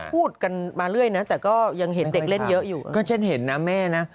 พูดกันมาเรื่อยนะแต่ก็ยังเห็นเด็กเล่นเยอะอยู่ก็ฉันเห็นนะแม่นะ